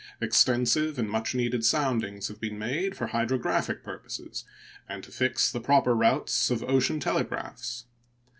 Extensive and much needed soundings have been made for hydrographic purposes and to fix the proper routes of ocean telegraphs.